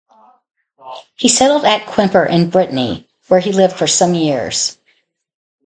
He settled at Quimper, in Brittany, where he lived for some years.